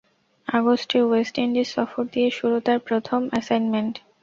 আগস্টে West Indies সফর দিয়ে শুরু তাঁর প্রথম অ্যাসাইনমেন্ট।